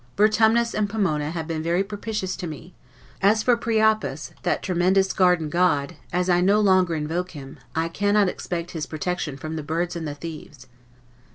Vertumnus and Pomona have been very propitious to me: as for Priapus, that tremendous garden god, as I no longer invoke him, I cannot expect his protection from the birds and the thieves.